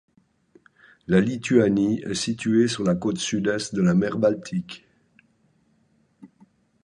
La Lituanie est située sur la côte sud-est de la mer Baltique.